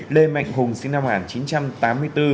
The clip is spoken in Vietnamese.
lê mạnh hùng sinh năm một nghìn chín trăm tám mươi bốn